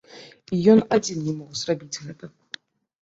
І ён адзін не мог зрабіць гэта.